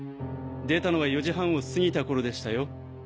出たのは４時半を過ぎた頃でしたよ。